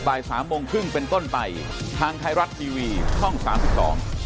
บ่ายสามโมงครึ่งเป็นต้นไปทางไทยรัฐทีวีช่องสามสิบสอง